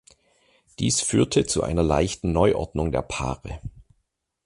Dies führte zu einer leichten Neuordnung der Paare.